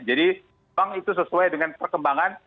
jadi memang itu sesuai dengan perkembangan